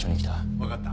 分かった。